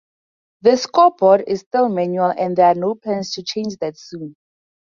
The scoreboard is still manual, and there are no plans to change that soon.